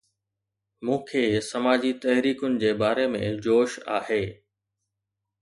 مون کي سماجي تحريڪن جي باري ۾ جوش آهي